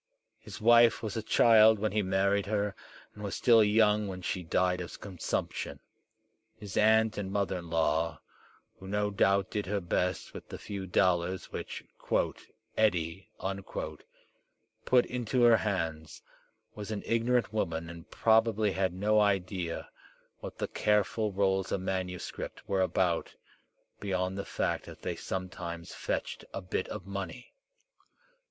His wife was a child when he married her, and was still young when she died of consumption. His aunt and mother in law, who no doubt did her best with the few dollars which "Eddie" put into her hands, was an ignorant woman and probably had no idea what the careful rolls of manuscript were about, beyond the fact that they sometimes fetched a bit of money.